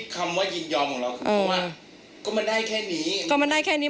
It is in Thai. คำว่ายินยอมของเราครับเพราะว่าก็มันได้แค่นี้ก็มันได้แค่นี้